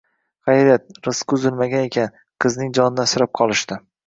Hayriyat, rizqi uzilmagan ekan, qizning jonini asrab qolishdi